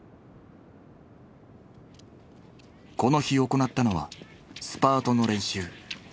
この日行ったのはスパートの練習。